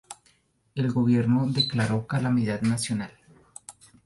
El gobierno declaró calamidad nacional.